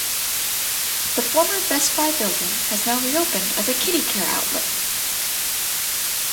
The former Best Buy building has now reopened as a Kiddicare outlet.